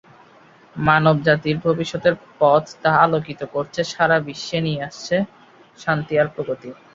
মানবজাতির ভবিষ্যতের পথ তা আলোকিত করছে সারা বিশ্বে নিয়ে আসছে শান্তি আর প্রগতি।